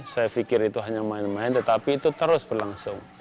saya pikir itu hanya main main tetapi itu terus berlangsung